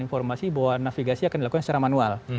informasi bahwa navigasi akan dilakukan secara manual